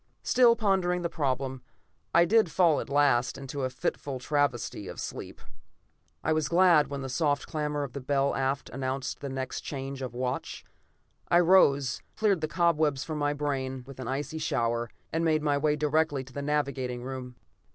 Still pondering the problem, I did fall at last into a fitful travesty of sleep. I was glad when the soft clamor of the bell aft announced the next change of watch. I rose, cleared the cobwebs from my brain with an icy shower, and made my way directly to the navigating room.